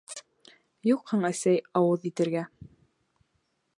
Юҡһың, әсәй, ауыҙ итергә.